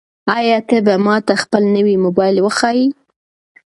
آیا ته به ماته خپل نوی موبایل وښایې؟